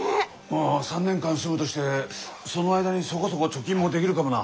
まあ３年間住むとしてその間にそこそこ貯金もできるかもな。